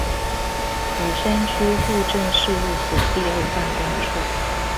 鼓山區戶政事務所第二辦公處